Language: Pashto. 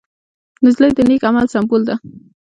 نجلۍ د نېک عمل سمبول ده.